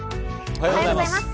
おはようございます。